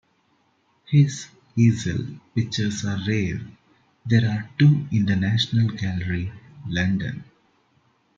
His easel pictures are rare; there are two in the National Gallery, London.